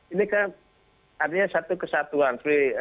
ini kan artinya satu kesatuan